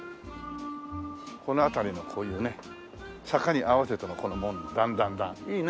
この辺りのこういうね坂に合わせてのこの門の段段段いいね。